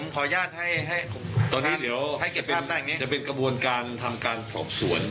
ตอนนี้เดี๋ยวจะเป็นกระบวนการทำการสอบสวน